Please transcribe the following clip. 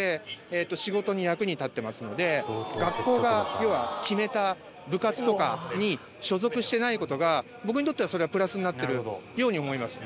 学校が要は決めた部活とかに所属してない事が僕にとってはそれはプラスになってるように思います。